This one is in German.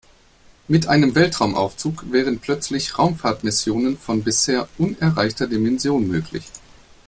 Mit einem Weltraumaufzug wären plötzlich Raumfahrtmissionen von bisher unerreichter Dimension möglich.